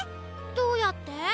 どうやって？